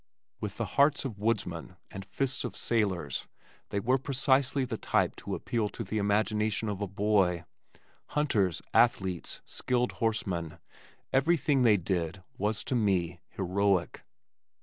With the hearts of woodsmen and fists of sailors they were precisely the type to appeal to the imagination of a boy. Hunters, athletes, skilled horsemen everything they did was to me heroic.